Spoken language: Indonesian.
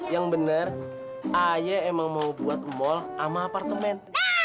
yang bener ayah emang mau buat mal sama apartemen